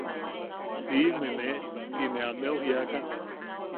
“siʼime ne” ti ne ameu jiakan.